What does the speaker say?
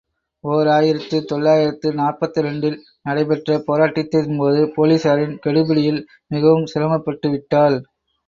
ஓர் ஆயிரத்து தொள்ளாயிரத்து நாற்பத்திரண்டு ல் நடைபெற்ற போராட்டத்தின் போது போலீசாரின்கெடுபிடியில் மிகவும் சிரமப்பட்டு விட்டாள்.